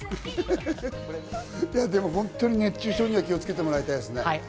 でも本当に熱中症には気をつけてもらいたいですね。